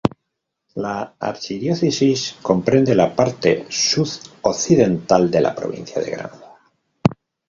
La archidiócesis comprende la parte sud-occidental de la provincia de Granada.